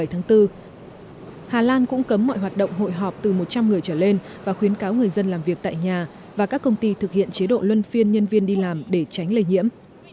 hà lan cũng cấm mọi hoạt động hội họp từ một trăm linh người trở lên và khuyến cáo người dân làm việc tại nhà và các công ty thực hiện chế độ luân phiên nhân viên đi làm để tránh lây nhiễm